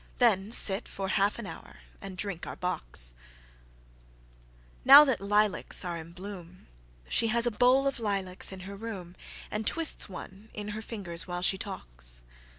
Then sit for half an hour and drink our bocks. IINow that lilacs are in bloomShe has a bowl of lilacs in her roomAnd twists one in her fingers while she talks.